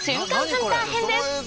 ハンター編です